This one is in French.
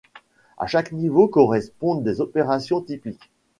À chaque niveau correspondent des opérations typiques.